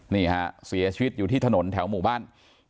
นี่ฮะเสียชีวิตอยู่ที่ถนนแถวหมู่บ้าน